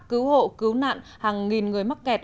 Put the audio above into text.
cứu hộ cứu nạn hàng nghìn người mắc nghẹt